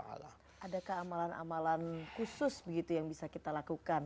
adakah amalan amalan khusus begitu yang bisa kita lakukan